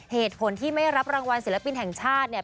เหตุผลที่ไม่รับรางวัลศิลปินแห่งชาติเนี่ย